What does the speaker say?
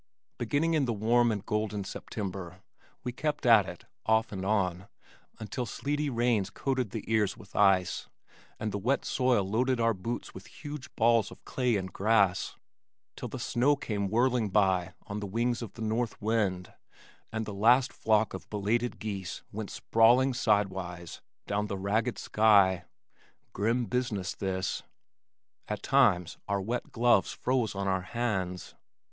Beginning in the warm and golden September we kept at it (off and on) until sleety rains coated the ears with ice and the wet soil loaded our boots with huge balls of clay and grass till the snow came whirling by on the wings of the north wind and the last flock of belated geese went sprawling sidewise down the ragged sky. Grim business this! At times our wet gloves froze on our hands.